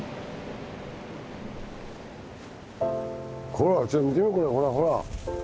ほら見てみほらほら。